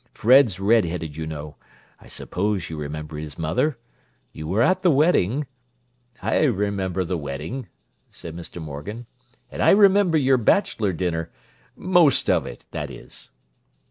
Fred's red headed, you know—I suppose you remember his mother? You were at the wedding—" "I remember the wedding," said Mr. Morgan. "And I remember your bachelor dinner—most of it, that is."